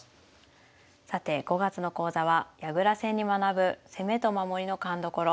さて５月の講座は「矢倉戦に学ぶ攻めと守りの勘どころ」。